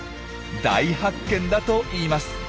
大発見だといいます。